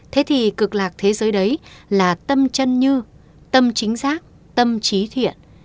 thế thì cực lạc thế giới đấy là tâm chân như tâm chính xác tâm trí thiện